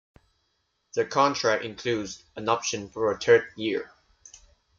The contract includes an option for a third year.